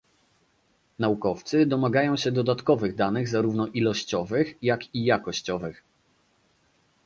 Naukowcy domagają się dodatkowych danych zarówno ilościowych, jak i jakościowych